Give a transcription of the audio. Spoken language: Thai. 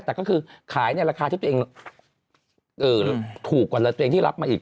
แต่ก็คือขายในราคาที่ตัวเองถูกกว่าตัวเองที่รับมาอีก